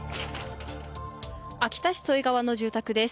秋田市添川の住宅です。